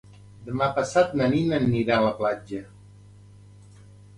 Demà passat na Nina anirà a la platja.